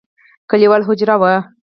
کليوالي حجره وه.